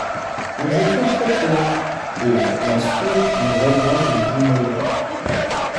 Nous étions très pauvres et, bien sûr, nous rêvions d'une vie meilleure.